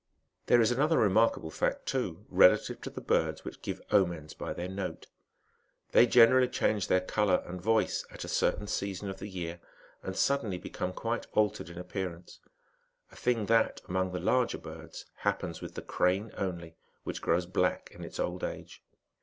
There is another remarkable fact too, relative to the birds rhich give omens by their note ; they generally change their olour and voice at a certain season of the year, and suddenly ■ecome quite altered in appearance ; a thing that, among the irger birds, happens with the crane only, which grows black Q its old age.